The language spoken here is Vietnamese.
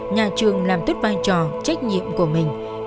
nhà trường làm tuyết vai trò trách nhiệm của mình